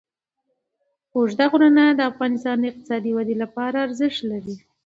اوږده غرونه د افغانستان د اقتصادي ودې لپاره ارزښت لري.